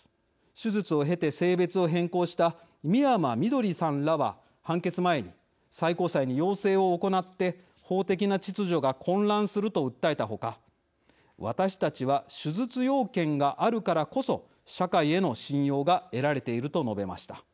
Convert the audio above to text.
手術を経て性別を変更した美山みどりさんらは判決前に最高裁に要請を行って法的な秩序が混乱すると訴えた他私たちは手術要件があるからこそ社会への信用が得られていると述べました。